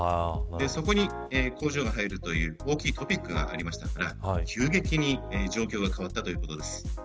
そこに、工場が入るという大きいトピックがありましたから急激に状況が変わったということです。